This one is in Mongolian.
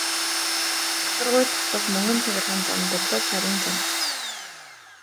Огторгуйд тогтох мөнгөн цагирган зам дурлал хайрын зам.